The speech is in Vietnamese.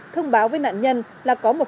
thông báo với nạn nhân là có một